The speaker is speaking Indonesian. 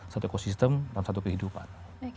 satu ekosistem dalam satu kehidupan